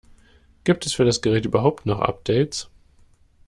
Gibt es für das Gerät überhaupt noch Updates?